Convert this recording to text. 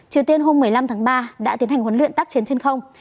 triều tiên hôm một mươi năm tháng ba đã tiến hành huấn luyện tác chiến trên không